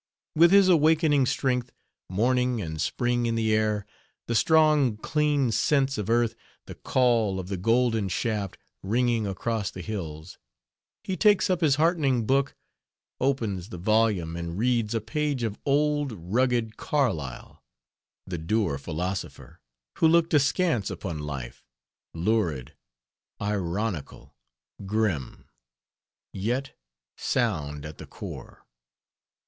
With his awakening strength, (Morning and spring in the air, The strong clean scents of earth, The call of the golden shaft, Ringing across the hills) He takes up his heartening book, Opens the volume and reads, A page of old rugged Carlyle, The dour philosopher Who looked askance upon life, Lurid, ironical, grim, Yet sound at the core.